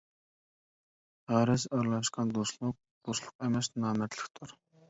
غەرەز ئارىلاشقان دوستلۇق دوستلۇق ئەمەس نامەردلىكتۇر.